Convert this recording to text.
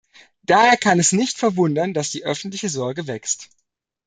Daher kann es nicht verwundern, dass die öffentliche Sorge wächst.